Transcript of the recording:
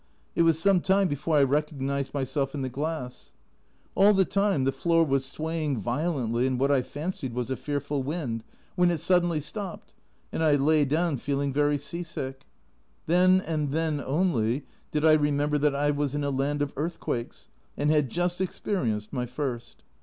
It was some time before I recognised myself in the glass ! All the time the floor was swaying violently in what I fancied was a fearful wind when it suddenly stopped, and I lay down feeling very sea sick. Then, and then only, did I remember that I was in a land of earth quakes, and had just experienced my first.